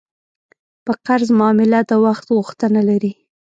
په قرض معامله د وخت غوښتنه لري.